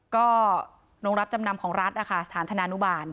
ก็โรงรับจำนำของรัฐนะคะสถานธนานุบาล